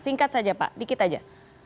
singkat saja pak dikit aja